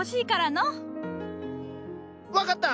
分かった！